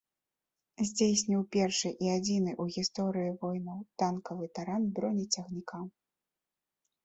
Здзейсніў першы і адзіны ў гісторыі войнаў танкавы таран бронецягніка.